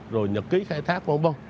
rồi nhật ký khai thác